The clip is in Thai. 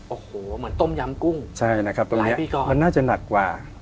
โอ้โหเหมือนต้มยำกุ้งใช่นะครับหลายปีก่อนมันน่าจะหนักกว่า